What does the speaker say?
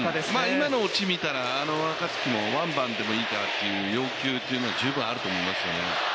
今の落ち見たら若月もワンバウンドでもいいからという要求というのは十分あると思います。